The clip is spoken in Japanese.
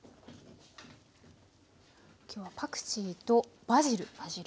今日はパクチーとバジル。